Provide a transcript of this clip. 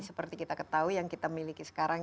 seperti kita ketahui yang kita miliki sekarang